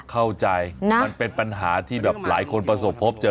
เข้าใจมันเป็นปัญหาที่แบบหลายคนประสบพบเจอ